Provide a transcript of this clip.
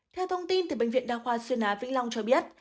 theo thông tin từ bệnh viện đa khoa xuyên á vĩnh long cho biết